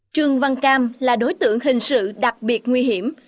trương văn cam là đối tượng hình sự đặc biệt nguy hiểm